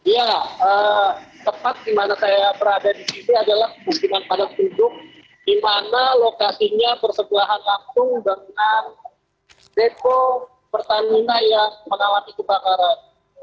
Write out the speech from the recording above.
ya tempat di mana saya berada di sini adalah musim panas tidur di mana lokasinya bersebelahan langsung dengan depo pertamina yang menawar kebakaran